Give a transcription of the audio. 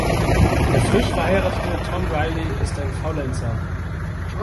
Der frisch verheiratete Tom Reilly ist ein Faulenzer.